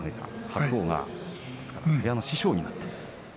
白鵬が部屋の師匠になったと。